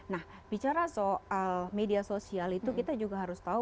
nah bicara soal media sosial itu kita juga harus tahu